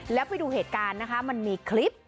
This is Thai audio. แล้วไปดูเหตุการณ์นะคะมันมีคลิป